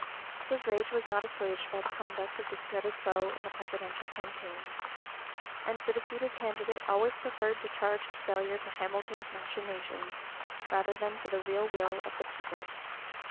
His rage was not assuaged by the conduct of this dreaded foe in the presidential campaign; and the defeated candidate always preferred to charge his failure to Hamilton's machinations rather than to the real will of the people.